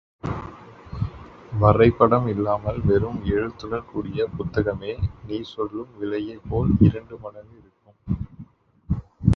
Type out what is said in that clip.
வரைவுப்படம் இல்லாமல் வெறும் எழுத்துடன் கூடிய புத்தகமே நீர் சொல்லும் விலையைப் போல் இரண்டு மடங்கு இருக்கும்.